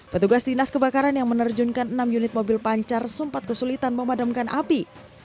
petugas dinas kebakaran yang menerjunkan enam unit mobil pancar sempat kesulitan memadamkan api